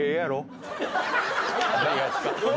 何がですか？